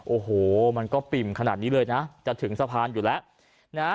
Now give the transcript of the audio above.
โอ้โหมันก็ปิ่มขนาดนี้เลยนะจะถึงสะพานอยู่แล้วนะฮะ